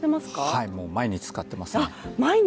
はい、もう毎日使ってますね。